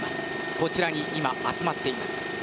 こちらに今、集まっています。